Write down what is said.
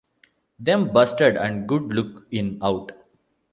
Them," "Busted" and "Good Lookin' Out.